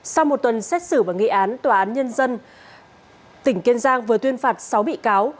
sau một tuần xét xử và nghị án tòa án nhân dân tỉnh kiên giang vừa tuyên phạt sáu bị cáo